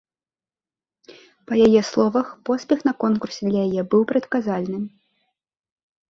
Па яе словах, поспех на конкурсе для яе быў прадказальны.